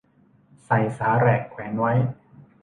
ใส่สาแหรกแขวนไว้